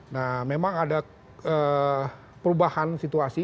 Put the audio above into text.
nah memang ada perubahan situasi